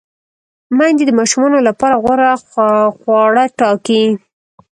میندې د ماشومانو لپاره غوره خواړه ټاکي۔